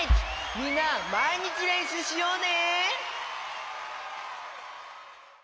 みんなまいにちれんしゅうしようね！